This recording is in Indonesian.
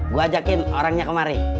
gua ajakin orangnya kemari